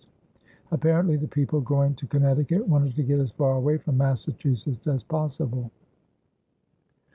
Apparently the people going to Connecticut wanted to get as far away from Massachusetts as possible.